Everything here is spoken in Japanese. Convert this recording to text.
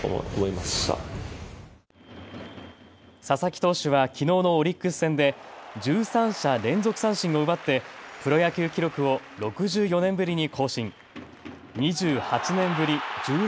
佐々木投手はきのうのオリックス戦で１３者連続三振を奪ってプロ野球記録を６４年ぶりに更新。